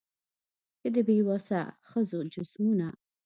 چي د بې وسه ښځو جسمونه